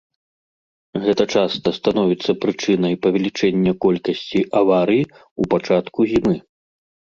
Гэта часта становіцца прычынай павелічэння колькасці аварый у пачатку зімы.